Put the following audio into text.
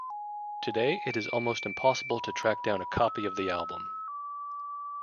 Today it is almost impossible to track down a copy of the album.